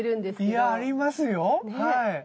いやありますよはい。